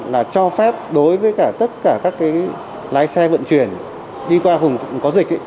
là cho phép đối với cả tất cả các cái lái xe vận chuyển đi qua vùng có dịch